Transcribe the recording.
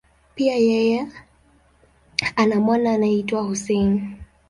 Pia, yeye ana mwana anayeitwa Hussein.